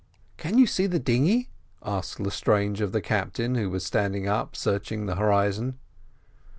"Can you see the dinghy?" asked Lestrange of the captain, who was standing up searching the horizon.